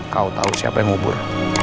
kau tahu siapa yang ngubur